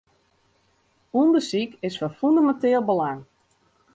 Undersyk is fan fûneminteel belang.